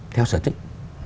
theo sở thích